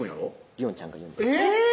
璃音ちゃんが言うんですえぇ！